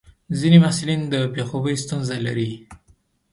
ځینې محصلین د بې خوبي ستونزه لري.